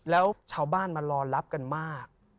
แล้วชาวบ้านมารอรับกันมาก